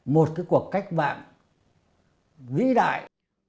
một cuộc cách mạng vĩ đại